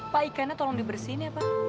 pak ikannya tolong dibersihin ya pak